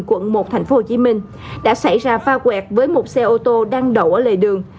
quận một tp hcm đã xảy ra phao quẹt với một xe ô tô đang đậu ở lề đường